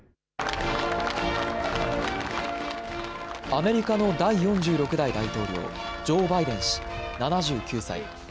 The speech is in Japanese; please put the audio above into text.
アメリカの第４６代大統領、ジョー・バイデン氏、７９歳。